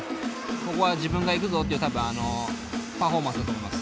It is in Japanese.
ここは自分が行くぞっていう多分パフォーマンスだと思います。